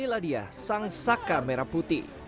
inilah dia sang saka merah putih